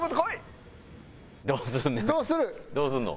どうするの？